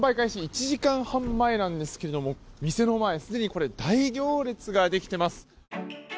１時間半前なんですけども店の前すでに大行列ができています。